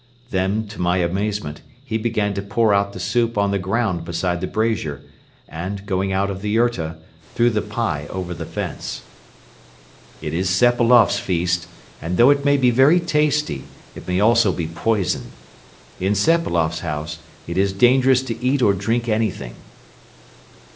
Then, to my amazement, he began to pour out the soup on the ground beside the brazier and, going out of the yurta, threw the pie over the fence. "It is Sepailoff's feast and, though it may be very tasty, it may also be poison. In Sepailoff's house it is dangerous to eat or drink anything."